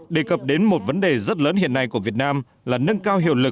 đề cập đến một vấn đề rất lớn hiện nay của việt nam là nâng cao hiệu lực